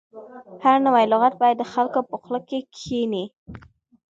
هر نوی لغت باید د خلکو په خوله کې کښیني.